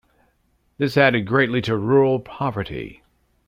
This added greatly to rural poverty.